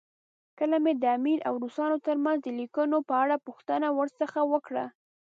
کله مې د امیر او روسانو ترمنځ د لیکونو په اړه پوښتنه ورڅخه وکړه.